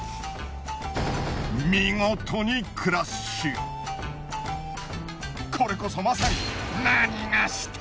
見事にこれこそまさに。